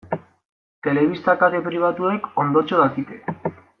Telebista kate pribatuek ondotxo dakite.